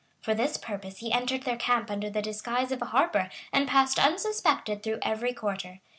For this purpose he entered their camp under the disguise of a harper, and passed unsuspected through every quarter.